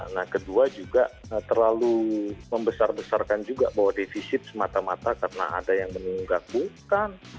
nah kedua juga terlalu membesar besarkan juga bahwa defisit semata mata karena ada yang menunggak bukan